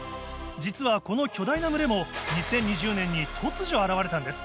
実はこの巨大な群れも２０２０年に突如現れたんです。